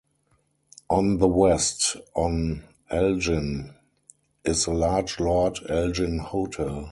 On the west, on Elgin, is the large Lord Elgin Hotel.